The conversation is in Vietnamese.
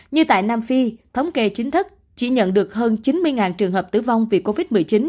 như tại nam phi thống kê chính thức chỉ nhận được hơn chín mươi trường hợp tử vong vì covid một mươi chín